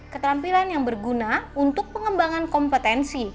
keterampilan yang berguna untuk pengembangan kompetensi